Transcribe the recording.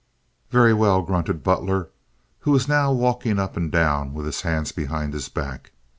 "Very well," grunted Butler, who was now walking up and down with his hands behind his back.